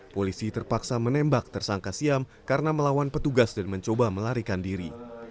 polisi terpaksa menembak tersangka siam karena melawan petugas dan mencoba melarikan diri